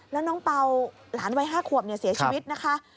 แล้วน้องเป่าหลานวัย๕ขวบเสียชีวิตนะคะ